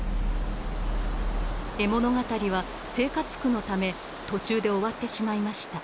絵物語は生活苦のため途中で終わってしまいました。